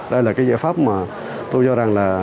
đây là cái giải pháp mà tôi cho rằng là quá khứ